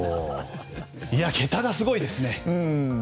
桁がすごいですね。